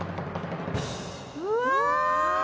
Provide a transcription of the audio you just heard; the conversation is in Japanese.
うわ！